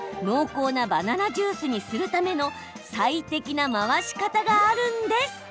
濃厚なバナナジュースにするための最適な回し方があるんです。